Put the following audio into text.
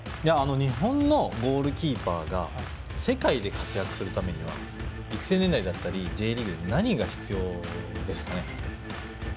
日本のゴールキーパーが世界で活躍するためには育成年代とかＪリーグで何が必要ですかね。